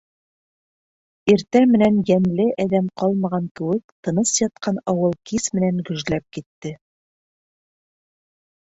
Иртә менән йәнле әҙәм ҡалмаған кеүек тыныс ятҡан ауыл кис менән гөжләп китте.